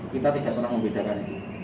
kita tidak pernah membedakan itu